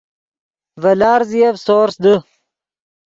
ڤے لارزیف سورس دے